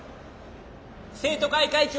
生徒会会長